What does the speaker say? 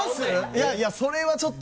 いやいやそれはちょっと。